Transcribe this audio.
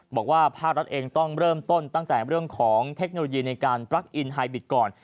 บอกว่าภาครัฐเองต้องเริ่มต้นตั้งแต่เรื่องของเทคโนโลยีในการปลั๊กอินไฮบิตก่อน